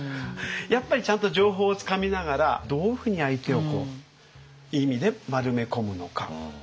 やっぱりちゃんと情報をつかみながらどういうふうに相手をいい意味で丸めこむのか。